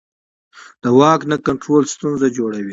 د واک نه کنټرول ستونزې جوړوي